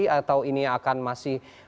atau ini akan masih